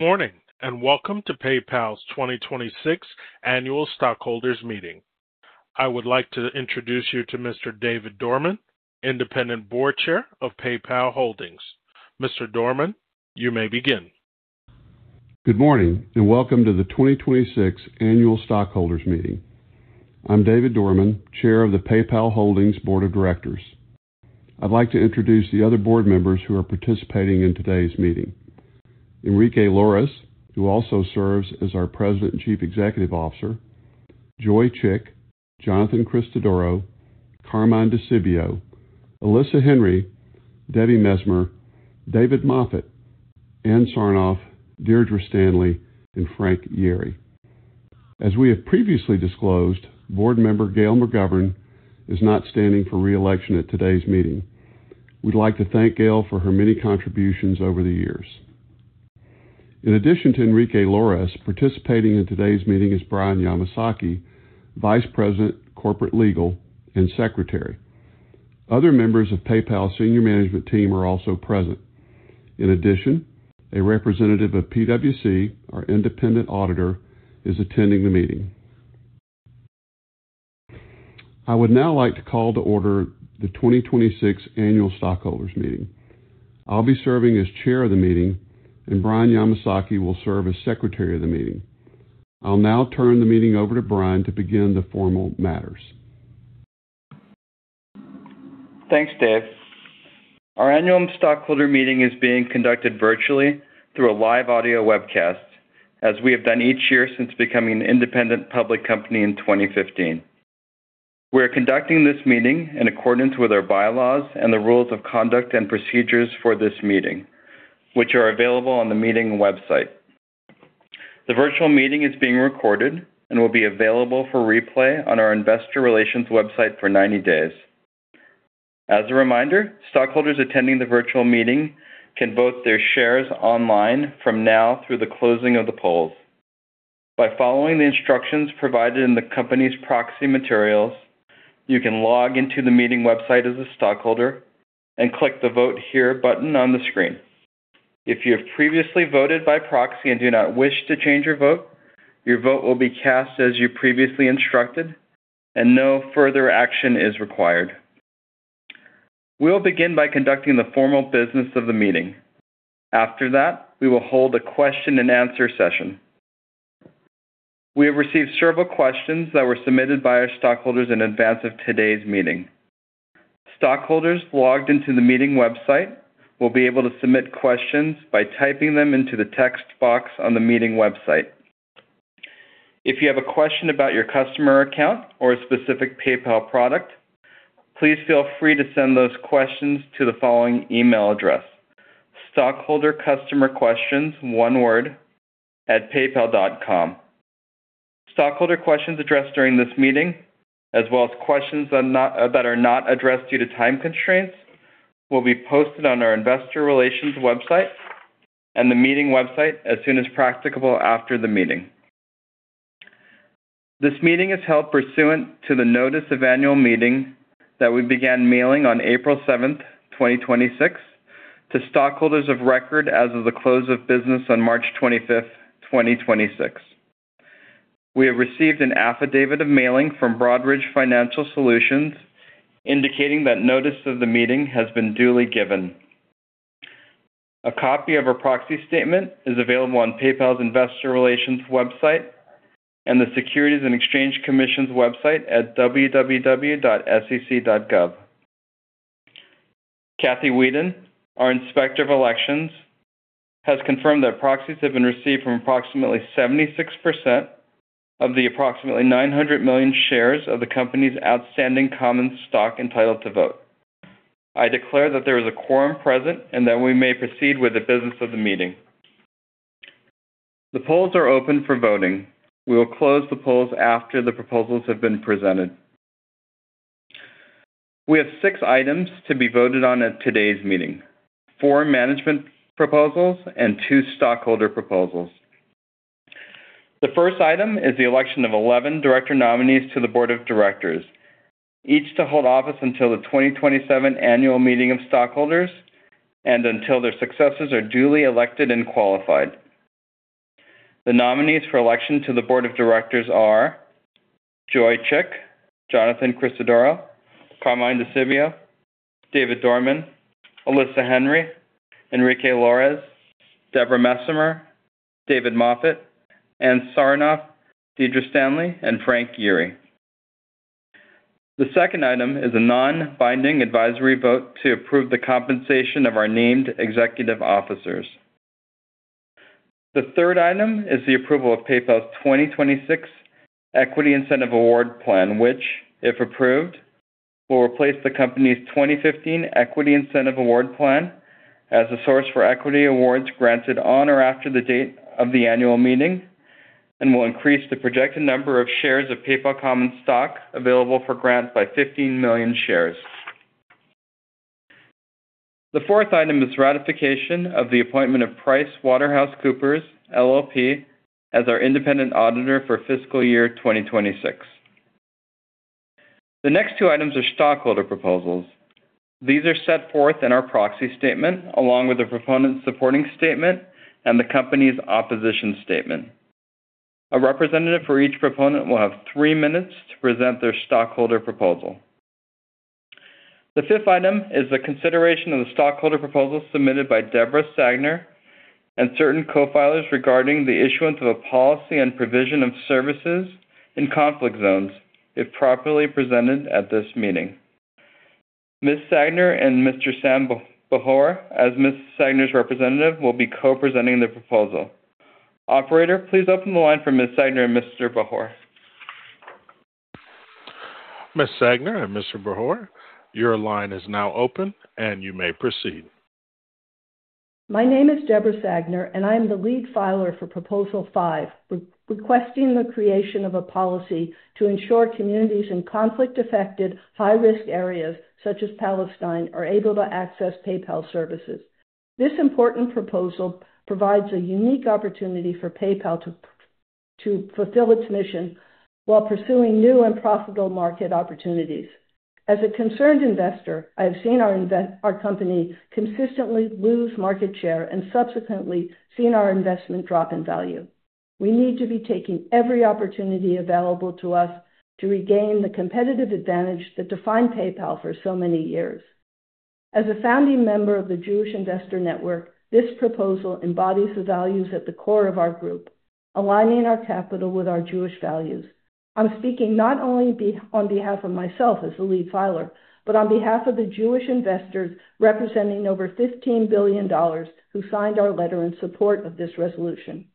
Morning, welcome to PayPal's 2026 Annual Stockholders Meeting. I would like to introduce you to Mr. David Dorman, independent board chair of PayPal Holdings. Mr. Dorman, you may begin. Good morning, and welcome to the 2026 Annual Stockholders Meeting. I'm David Dorman, Chair of the PayPal Holdings board of directors. I'd like to introduce the other board members who are participating in today's meeting. Enrique Lores, who also serves as our President and Chief Executive Officer. Joy Chik, Jonathan Christodoro, Carmine Di Sibio, Alyssa Henry, Debbie Messmer, David Moffett, Ann Sarnoff, Deirdre Stanley, and Frank Yeary. As we have previously disclosed, board member Gail McGovern is not standing for re-election at today's meeting. We'd like to thank Gail for her many contributions over the years. In addition to Enrique Lores, participating in today's meeting is Brian Yamasaki, Vice President, Corporate Legal, and Secretary. Other members of PayPal senior management team are also present. In addition, a representative of PwC, our independent auditor, is attending the meeting. I would now like to call to order the 2026 Annual Stockholders Meeting. I'll be serving as chair of the meeting, and Brian Yamasaki will serve as secretary of the meeting. I'll now turn the meeting over to Brian to begin the formal matters. Thanks, Dave. Our annual stockholder meeting is being conducted virtually through a live audio webcast, as we have done each year since becoming an independent public company in 2015. We are conducting this meeting in accordance with our bylaws and the rules of conduct and procedures for this meeting, which are available on the meeting website. The virtual meeting is being recorded and will be available for replay on our investor relations website for 90 days. As a reminder, stockholders attending the virtual meeting can vote their shares online from now through the closing of the polls. By following the instructions provided in the company's proxy materials, you can log into the meeting website as a stockholder and click the Vote Here button on the screen. If you have previously voted by proxy and do not wish to change your vote, your vote will be cast as you previously instructed, and no further action is required. We will begin by conducting the formal business of the meeting. After that, we will hold a question and answer session. We have received several questions that were submitted by our stockholders in advance of today's meeting. Stockholders logged into the meeting website will be able to submit questions by typing them into the text box on the meeting website. If you have a question about your customer account or a specific PayPal product, please feel free to send those questions to the following email address, stockholder customer questions, one word, @paypal.com. Stockholder questions addressed during this meeting, as well as questions that are not addressed due to time constraints, will be posted on our investor relations website and the meeting website as soon as practicable after the meeting. This meeting is held pursuant to the notice of annual meeting that we began mailing on April 7th, 2026, to stockholders of record as of the close of business on March 25th, 2026. We have received an affidavit of mailing from Broadridge Financial Solutions, indicating that notice of the meeting has been duly given. A copy of our proxy statement is available on PayPal's investor relations website and the Securities and Exchange Commission's website at www.sec.gov. Kathy Weeden, our Inspector of Elections, has confirmed that proxies have been received from approximately 76% of the approximately 900 million shares of the company's outstanding common stock entitled to vote. I declare that there is a quorum present and that we may proceed with the business of the meeting. The polls are open for voting. We will close the polls after the proposals have been presented. We have six items to be voted on at today's meeting, four management proposals and two stockholder proposals. The first item is the election of 11 director nominees to the board of directors, each to hold office until the 2027 Annual Meeting of Stockholders and until their successors are duly elected and qualified. The nominees for election to the board of directors are Joy Chik, Jonathan Christodoro, Carmine Di Sibio, David Dorman, Alyssa Henry, Enrique Lores, Deborah Messmer, David Moffett, Ann Sarnoff, Deirdre Stanley, and Frank Yeary. The second item is a non-binding advisory vote to approve the compensation of our named executive officers. The third item is the approval of PayPal's 2026 Equity Incentive Award Plan, which, if approved, will replace the company's 2015 Equity Incentive Award Plan as a source for equity awards granted on or after the date of the annual meeting and will increase the projected number of shares of PayPal common stock available for grant by 15 million shares. The fourth item is ratification of the appointment of PricewaterhouseCoopers LLP as our independent auditor for fiscal year 2026. The next two items are stockholder proposals. These are set forth in our proxy statement along with the proponent's supporting statement and the company's opposition statement. A representative for each proponent will have three minutes to present their stockholder proposal. The 5th item is the consideration of the stockholder proposal submitted by Deborah Sagner and certain co-filers regarding the issuance of a policy and provision of services in conflict zones if properly presented at this meeting. Ms. Sagner and Mr. Sam Bahour, as Ms. Sagner's representative, will be co-presenting the proposal. Operator, please open the line for Ms. Sagner and Mr. Bahour. Ms. Sagner and Mr. Bahour, your line is now open, and you may proceed. My name is Deborah Sagner. I am the lead filer for Proposal 5, re-requesting the creation of a policy to ensure communities in conflict-affected high-risk areas such as Palestine are able to access PayPal services. This important proposal provides a unique opportunity for PayPal to fulfill its mission while pursuing new and profitable market opportunities. As a concerned investor, I have seen our company consistently lose market share and subsequently seen our investment drop in value. We need to be taking every opportunity available to us to regain the competitive advantage that defined PayPal for so many years. As a founding member of the Jewish Investor Network, this proposal embodies the values at the core of our group, aligning our capital with our Jewish values. I'm speaking not only on behalf of myself as the lead filer, but on behalf of the Jewish investors representing over $15 billion who signed our letter in support of this resolution.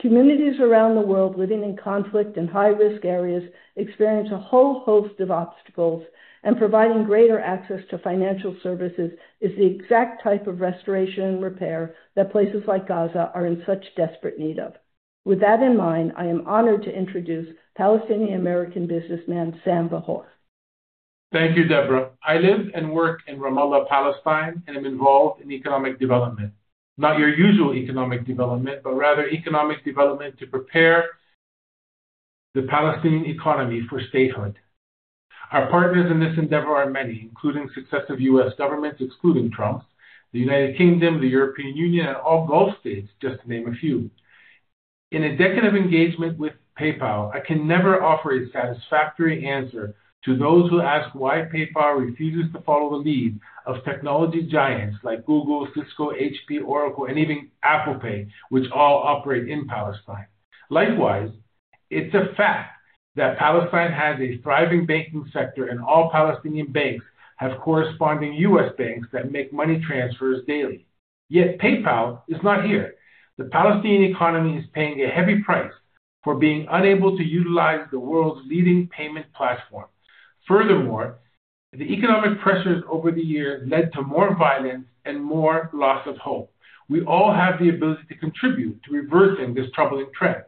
Communities around the world living in conflict and high-risk areas experience a whole host of obstacles, and providing greater access to financial services is the exact type of restoration and repair that places like Gaza are in such desperate need of. With that in mind, I am honored to introduce Palestinian-American businessman, Sam Bahour. Thank you, Deborah. I live and work in Ramallah, Palestine, and am involved in economic development. Not your usual economic development, but rather economic development to prepare the Palestinian economy for statehood. Our partners in this endeavor are many, including successive U.S. governments, excluding Trump's, the United Kingdom, the European Union, and all Gulf states, just to name a few. In a decade of engagement with PayPal, I can never offer a satisfactory answer to those who ask why PayPal refuses to follow the lead of technology giants like Google, Cisco, HP, Oracle, and even Apple Pay, which all operate in Palestine. Likewise, it's a fact that Palestine has a thriving banking sector, and all Palestinian banks have corresponding U.S. banks that make money transfers daily. Yet PayPal is not here. The Palestinian economy is paying a heavy price for being unable to utilize the world's leading payment platform. Furthermore, the economic pressures over the years led to more violence and more loss of hope. We all have the ability to contribute to reversing this troubling trend.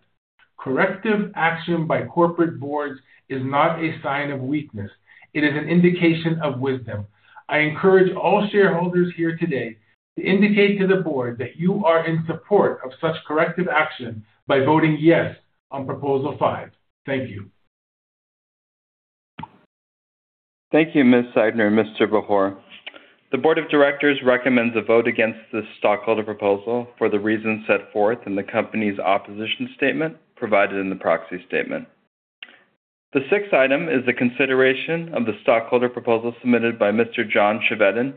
Corrective action by corporate boards is not a sign of weakness. It is an indication of wisdom. I encourage all shareholders here today to indicate to the board that you are in support of such corrective action by voting yes on Proposal 5. Thank you. Thank you, Ms. Sagner and Mr. Bahour. The board of directors recommends a vote against this stockholder proposal for the reasons set forth in the company's opposition statement provided in the proxy statement. The sixth item is the consideration of the stockholder proposal submitted by Mr. John Chevedden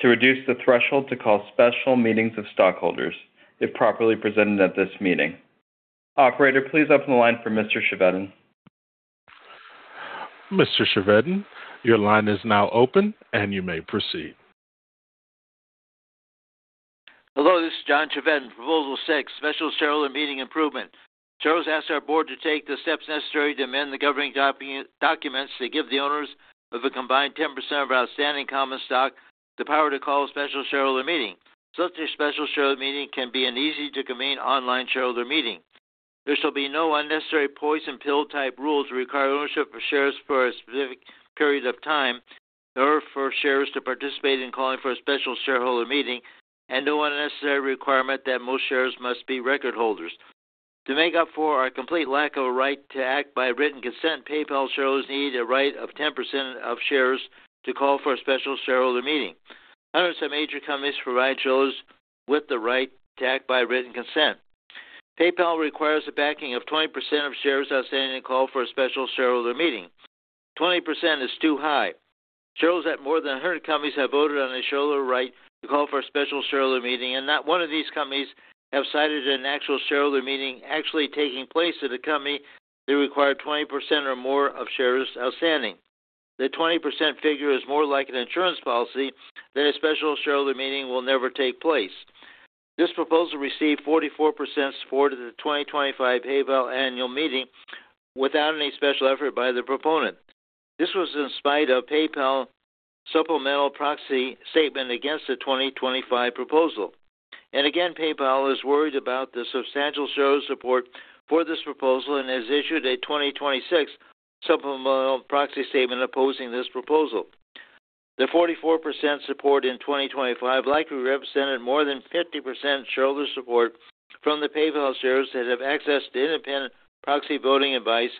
to reduce the threshold to call special meetings of stockholders if properly presented at this meeting. Operator, please open the line for Mr. Chevedden. Mr. Chevedden, your line is now open, and you may proceed. Hello, this is John Chevedden, Proposal 6, special shareholder meeting improvement. Shareholders ask our board to take the steps necessary to amend the governing documents to give the owners of a combined 10% of outstanding common stock the power to call a special shareholder meeting. Such a special shareholder meeting can be an easy to convene online shareholder meeting. There shall be no unnecessary poison pill type rules require ownership of shares for a specific period of time in order for shares to participate in calling for a special shareholder meeting and no unnecessary requirement that most shares must be record holders. To make up for our complete lack of a right to act by written consent, PayPal shareholders need a right of 10% of shares to call for a special shareholder meeting. Hundreds of major companies provide shareholders with the right to act by written consent. PayPal requires the backing of 20% of shares outstanding to call for a special shareholder meeting. 20% is too high. Shareholders at more than 100 companies have voted on a shareholder right to call for a special shareholder meeting. Not one of these companies have cited an actual shareholder meeting actually taking place at a company that required 20% or more of shares outstanding. The 20% figure is more like an insurance policy that a special shareholder meeting will never take place. This proposal received 44% support at the 2025 PayPal annual meeting without any special effort by the proponent. This was in spite of PayPal supplemental proxy statement against the 2025 proposal. Again, PayPal is worried about the substantial shareholder support for this proposal and has issued a 2026 supplemental proxy statement opposing this proposal. The 44% support in 2025 likely represented more than 50% shareholder support from the PayPal shares that have access to independent proxy voting advice,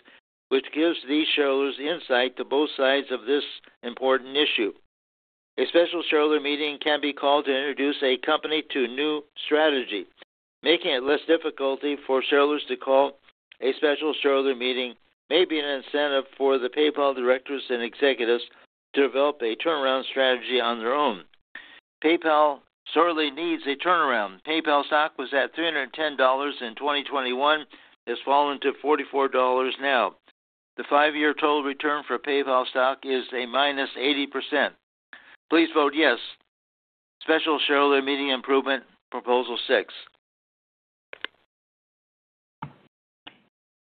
which gives these shareholders insight to both sides of this important issue. A special shareholder meeting can be called to introduce a company to a new strategy. Making it less difficulty for shareholders to call a special shareholder meeting may be an incentive for the PayPal directors and executives to develop a turnaround strategy on their own. PayPal sorely needs a turnaround. PayPal stock was at $310 in 2021, has fallen to $44 now. The five-year total return for PayPal stock is a -80%. Please vote yes. Special Shareholder Meeting Improvement, Proposal 6.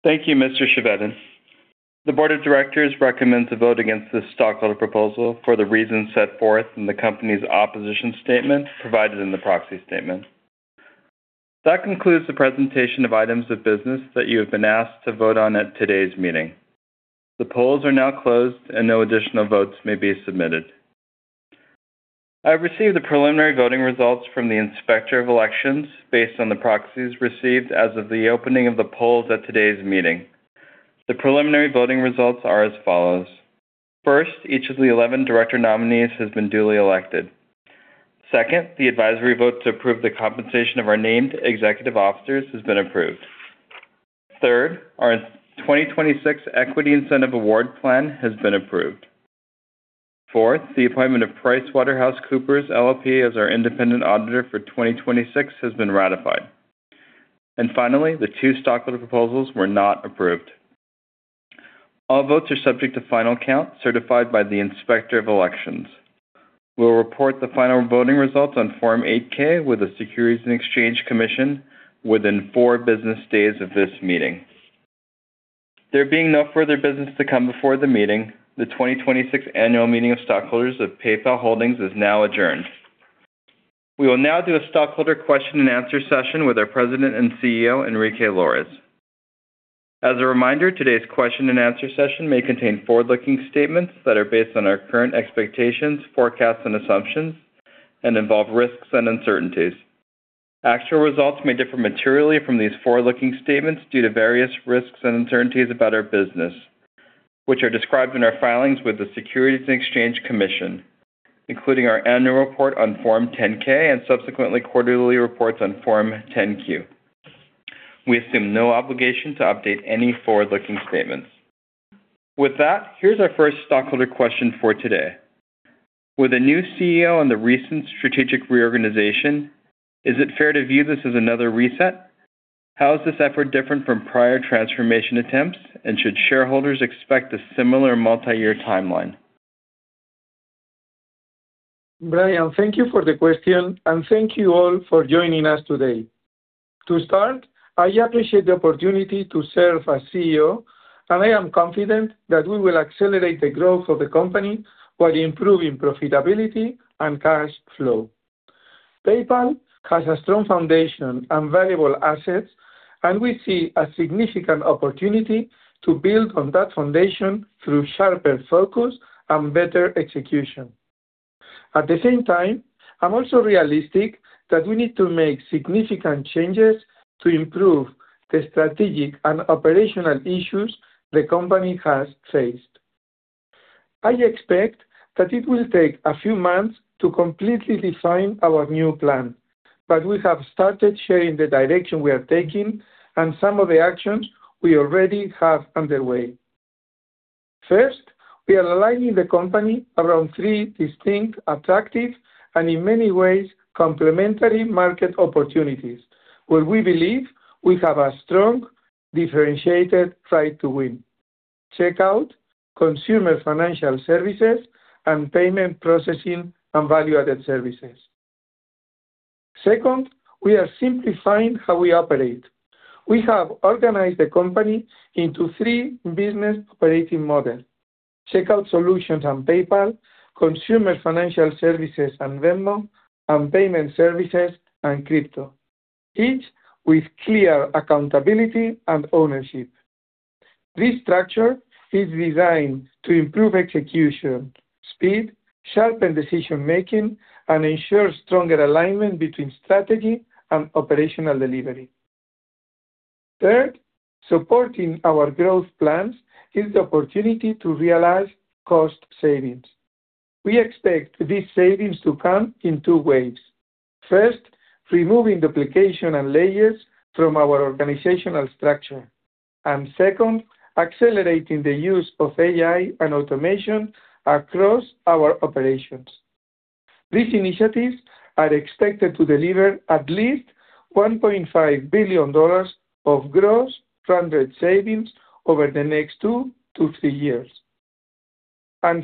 Thank you, Mr. Chevedden. The board of directors recommends a vote against this stockholder proposal for the reasons set forth in the company's opposition statement provided in the proxy statement. That concludes the presentation of items of business that you have been asked to vote on at today's meeting. The polls are now closed, and no additional votes may be submitted. I've received the preliminary voting results from the Inspector of Elections based on the proxies received as of the opening of the polls at today's meeting. The preliminary voting results are as follows. First, each of the 11 director nominees has been duly elected. Second, the advisory vote to approve the compensation of our named executive officers has been approved. Third, our 2026 equity incentive award plan has been approved. Fourth, the appointment of PricewaterhouseCoopers LLP as our independent auditor for 2026 has been ratified. Finally, the two stockholder proposals were not approved. All votes are subject to final count certified by the Inspector of Elections. We'll report the final voting results on Form 8-K with the Securities and Exchange Commission within four business days of this meeting. There being no further business to come before the meeting, the 2026 annual meeting of stockholders of PayPal Holdings is now adjourned. We will now do a stockholder question-and-answer session with our President and CEO, Enrique Lores. As a reminder, today's question-and-answer session may contain forward-looking statements that are based on our current expectations, forecasts and assumptions, and involve risks and uncertainties. Actual results may differ materially from these forward-looking statements due to various risks and uncertainties about our business, which are described in our filings with the Securities and Exchange Commission, including our annual report on Form 10-K and subsequently quarterly reports on Form 10-Q. We assume no obligation to update any forward-looking statements. With that, here's our first stockholder question for today. With a new CEO and the recent strategic reorganization, is it fair to view this as another reset? How is this effort different from prior transformation attempts? Should shareholders expect a similar multi-year timeline? Brian, thank you for the question, and thank you all for joining us today. To start, I appreciate the opportunity to serve as CEO, and I am confident that we will accelerate the growth of the company while improving profitability and cash flow. PayPal has a strong foundation and valuable assets, and we see a significant opportunity to build on that foundation through sharper focus and better execution. At the same time, I'm also realistic that we need to make significant changes to improve the strategic and operational issues the company has faced. I expect that it will take a few months to completely define our new plan, but we have started sharing the direction we are taking and some of the actions we already have underway. First, we are aligning the company around three distinct, attractive, and in many ways, complementary market opportunities where we believe we have a strong, differentiated fight to win. Checkout, consumer financial services, and payment processing and value-added services. Second, we are simplifying how we operate. We have organized the company into three business operating models. Checkout Solutions and PayPal, Consumer Financial Services and Venmo, and Payment Services and crypto, each with clear accountability and ownership. This structure is designed to improve execution, speed, sharpen decision-making, and ensure stronger alignment between strategy and operational delivery. Third, supporting our growth plans is the opportunity to realize cost savings. We expect these savings to come in two ways. First, removing duplication and layers from our organizational structure. Second, accelerating the use of AI and automation across our operations. These initiatives are expected to deliver at least $1.5 billion of gross funded savings over the next two to three years.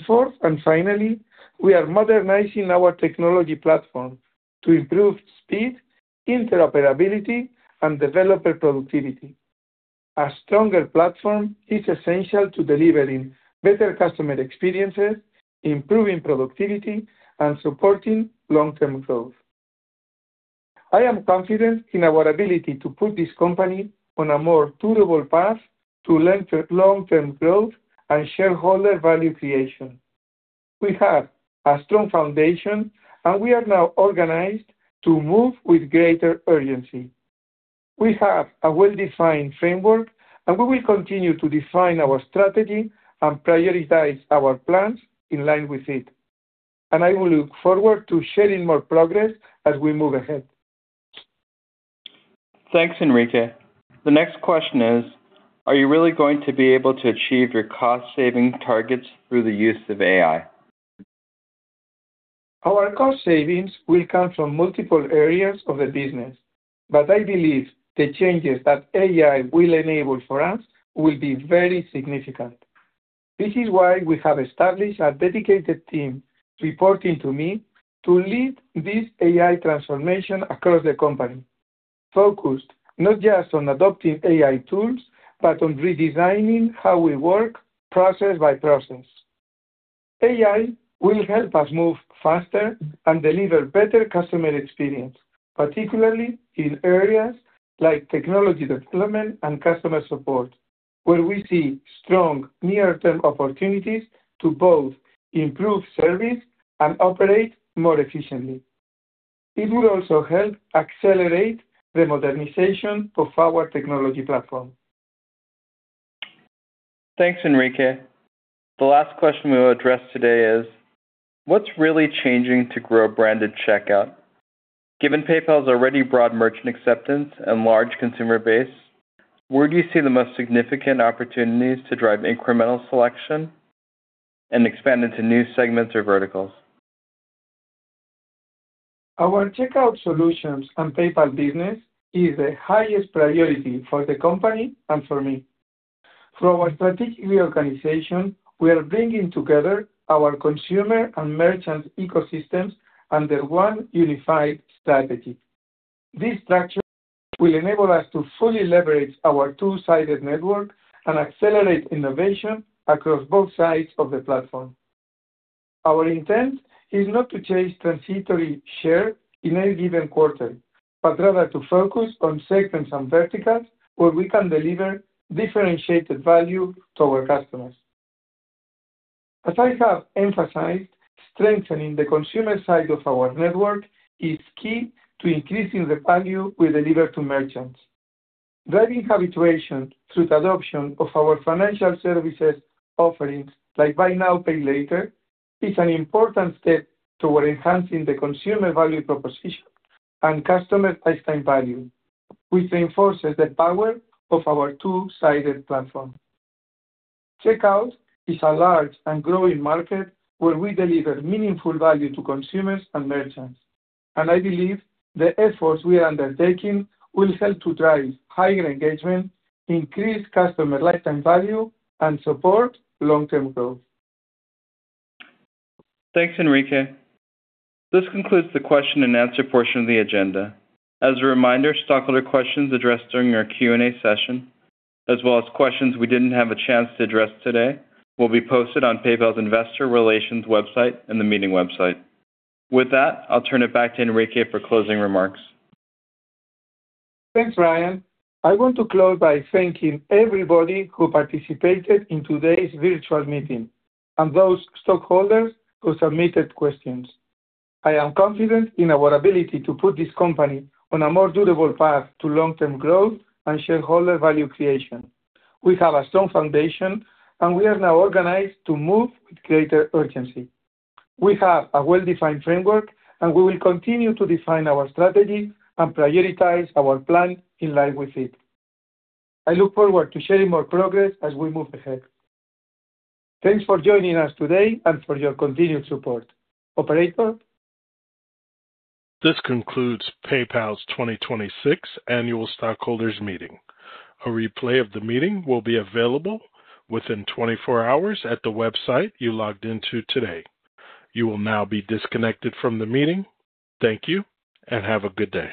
Fourth, and finally, we are modernizing our technology platform to improve speed, interoperability, and developer productivity. A stronger platform is essential to delivering better customer experiences, improving productivity, and supporting long-term growth. I am confident in our ability to put this company on a more durable path to long-term growth and shareholder value creation. We have a strong foundation. We are now organized to move with greater urgency. We have a well-defined framework. We will continue to define our strategy and prioritize our plans in line with it. I will look forward to sharing more progress as we move ahead. Thanks, Enrique. The next question is: Are you really going to be able to achieve your cost-saving targets through the use of AI? Our cost savings will come from multiple areas of the business, but I believe the changes that AI will enable for us will be very significant. This is why we have established a dedicated team reporting to me to lead this AI transformation across the company, focused not just on adopting AI tools, but on redesigning how we work process by process. AI will help us move faster and deliver better customer experience, particularly in areas like technology development and customer support, where we see strong near-term opportunities to both improve service and operate more efficiently. It will also help accelerate the modernization of our technology platform. Thanks, Enrique. The last question we will address today is: What's really changing to grow branded checkout? Given PayPal's already broad merchant acceptance and large consumer base, where do you see the most significant opportunities to drive incremental selection and expand into new segments or verticals? Our checkout solutions and PayPal business is the highest priority for the company and for me. Through our strategic reorganization, we are bringing together our consumer and merchant ecosystems under one unified strategy. This structure will enable us to fully leverage our two-sided network and accelerate innovation across both sides of the platform. Our intent is not to chase transitory share in any given quarter, but rather to focus on segments and verticals where we can deliver differentiated value to our customers. As I have emphasized, strengthening the consumer side of our network is key to increasing the value we deliver to merchants. Driving habituation through the adoption of our financial services offerings, like Buy Now, Pay Later, is an important step toward enhancing the consumer value proposition and customer lifetime value, which reinforces the power of our two-sided platform. Checkout is a large and growing market where we deliver meaningful value to consumers and merchants, and I believe the efforts we are undertaking will help to drive higher engagement, increase customer lifetime value, and support long-term growth. Thanks, Enrique. This concludes the question-and-answer portion of the agenda. As a reminder, stockholder questions addressed during our Q&A session, as well as questions we didn't have a chance to address today, will be posted on PayPal's Investor Relations website and the meeting website. With that, I'll turn it back to Enrique for closing remarks. Thanks, Brian. I want to close by thanking everybody who participated in today's virtual meeting and those stockholders who submitted questions. I am confident in our ability to put this company on a more durable path to long-term growth and shareholder value creation. We have a strong foundation, and we are now organized to move with greater urgency. We have a well-defined framework, and we will continue to define our strategy and prioritize our plan in line with it. I look forward to sharing more progress as we move ahead. Thanks for joining us today and for your continued support. Operator. This concludes PayPal's 2026 Annual Stockholders Meeting. A replay of the meeting will be available within 24 hours at the website you logged into today. You will now be disconnected from the meeting. Thank you, and have a good day.